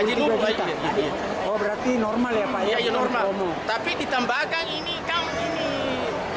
semua mau ditambahkan jadi ditambahkan lagi